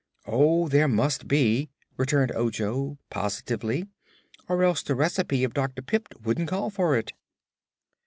"Oh, there must be!" returned Ojo, positively; "or else the recipe of Dr. Pipt wouldn't call for it."